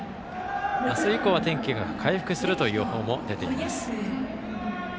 明日以降は天気が回復するという予報も出ています。